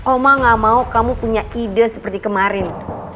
oma gak mau kamu punya ide seperti kemarin